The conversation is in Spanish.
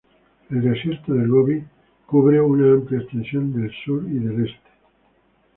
El desierto de Gobi cubre una amplia extensión del sur y del este.